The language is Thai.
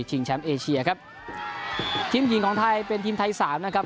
แชมป์เอเชียครับทีมหญิงของไทยเป็นทีมไทยสามนะครับ